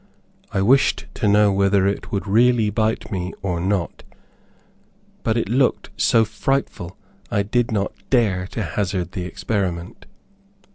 I wished to know whether it would really bite me or not, but it looked so frightful I did not dare to hazard the experiment.